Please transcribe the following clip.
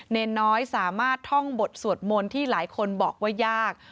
เนรน้อยสามารถท่องบทสวดมนต์ที่หลายคนบอกว่ายาก